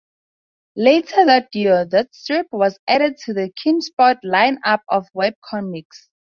Later that year, the strip was added to the Keenspot line-up of webcomics.